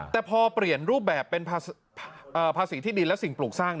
แต่พอเปลี่ยนรูปแบบเป็นภาษีที่ดินและสิ่งปลูกสร้าง